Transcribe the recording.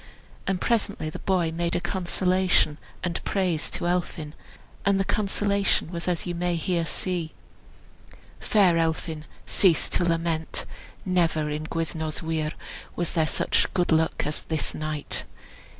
And presently the boy made a Consolation, and praise to Elphin; and the Consolation was as you may here see: "Fair Elphin, cease to lament! Never in Gwyddno's weir Was there such good luck as this night.